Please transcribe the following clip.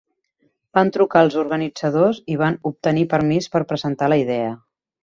Van trucar als organitzadors i van obtenir permís per presentar la idea.